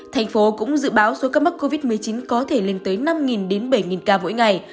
thành phố cũng dự báo số ca mắc covid một mươi chín có thể lên tới năm bảy ca mỗi ngày